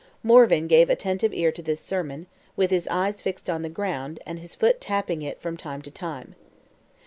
Morvan gave attentive ear to this sermon, with his eyes fixed on the ground, and his foot tapping it from time to time.